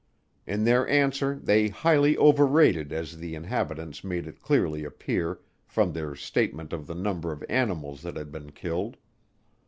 In their answer they highly overrated as the inhabitants made it clearly appear, from their statement of the number of animals that had been killed.